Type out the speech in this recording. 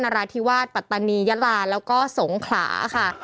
ราธิวาสปัตตานียะลาแล้วก็สงขลาค่ะ